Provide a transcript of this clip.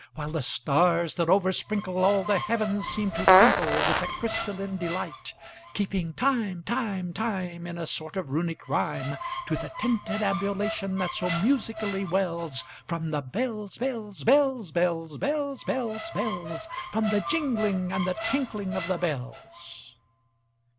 While the stars, that oversprinkleAll the heavens, seem to twinkleWith a crystalline delight; Keeping time, time, time, In a sort of Runic rhyme, To the tintinnabulation that so musically wellsFrom the bells, bells, bells, bells, Bells, bells, bells—From the jingling and the tinkling of the bells.